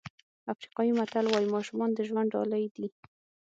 افریقایي متل وایي ماشومان د ژوند ډالۍ دي.